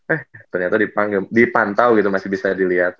eh ternyata dipantau gitu masih bisa dilihat